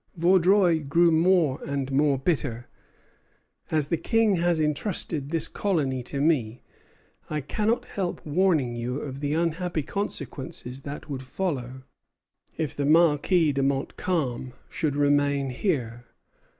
Vaudreuil grew more and more bitter. "As the King has intrusted this colony to me, I cannot help warning you of the unhappy consequences that would follow if the Marquis de Montcalm should remain here.